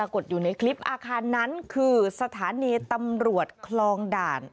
ดอยู่ในคลิปอาคารนั้นคือสถานีตำรวจคลองด่าน